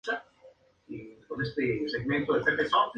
Con el ascenso del nazismo, se vio obligado a esconderse.